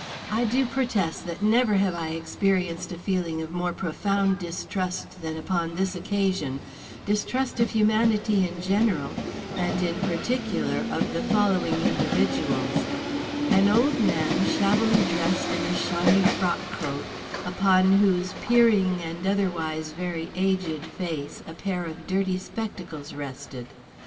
I do protest that never have I experienced a feeling of more profound distrust than upon this occasion; distrust of humanity in general and in particular of the following individuals: An old man shabbily dressed in a shiny frock coat, upon whose peering and otherwise very aged face a pair of dirty spectacles rested.